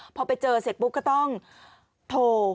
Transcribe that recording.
พอไปเจอเสร็จปุ๊บก็ต้องโทร